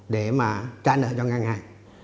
để mà trả nợ cho ngân hàng